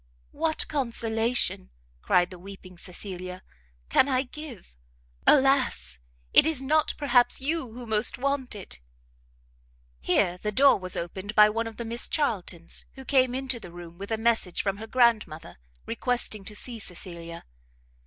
"What consolation," cried the weeping Cecilia, "can I give? Alas! it is not, perhaps, you who most want it! " Here the door was opened by one of the Miss Charltons, who came into the room with a message from her grandmother, requesting to see Cecilia.